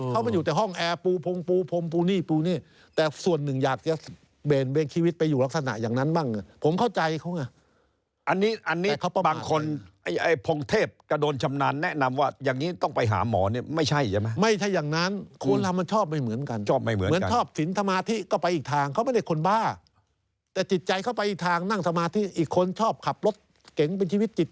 ชีวิตเขาเป็นอยู่แค่ห้องแอ